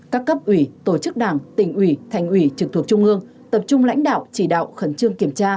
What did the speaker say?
các cấp ủy tổ chức đảng tỉnh ủy thành ủy trực thuộc trung ương tập trung lãnh đạo chỉ đạo khẩn trương kiểm tra